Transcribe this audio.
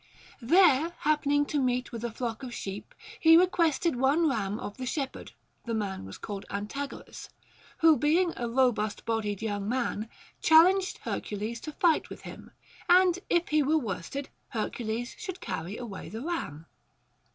There happening to meet with a flock of sheep, he requested one ram of the shepherd (the man was called Antagoras), who, being a robust bodied young man, challenged Hercules to fight with him ; and if he were worsted, Hercules should carry away the ram.